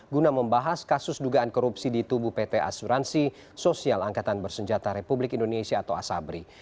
guna membahas kasus dugaan korupsi di tubuh pt asuransi sosial angkatan bersenjata republik indonesia atau asabri